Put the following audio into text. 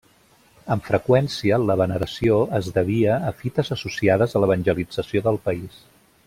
Amb freqüència, la veneració es devia a fites associades a l'evangelització del país.